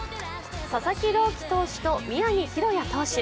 佐々木朗希投手と宮城大弥投手。